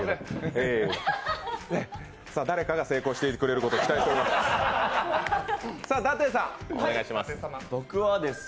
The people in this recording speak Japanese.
誰かが成功してくれることを期待しています。